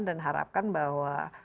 dan harapkan bahwa